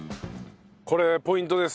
これポイントです。